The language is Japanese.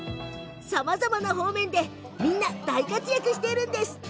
さまざまな方面でみんな大活躍しています。